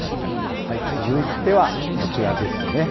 続いてはこちらですね。